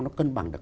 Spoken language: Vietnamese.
nó cân bằng được